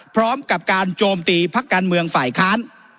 พร้อมกับการโจมตีพักการเมืองฝ่ายค้าน